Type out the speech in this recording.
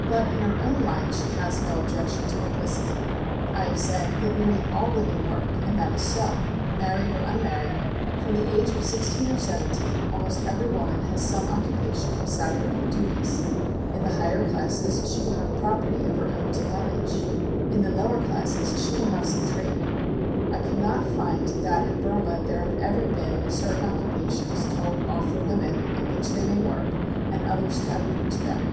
But in her own line she has no objection to publicity. I have said that nearly all women work, and that is so. Married or unmarried, from the age of sixteen or seventeen, almost every woman has some occupation besides her own duties. In the higher classes she will have property of her own to manage; in the lower classes she will have some trade. I cannot find that in Burma there have ever been certain occupations told off for women in which they may work, and others tabooed to them.